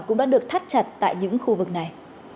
cũng đã được thắt chặt tại những khu vực này